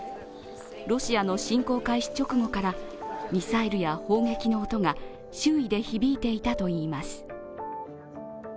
ロシアの侵攻開始直後からミサイルや砲撃の音が周囲で響いていたといいます。